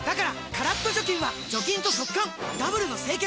カラッと除菌は除菌と速乾ダブルの清潔！